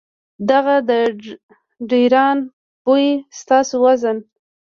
دغه د ډېران بوئي ستاسو وزن ،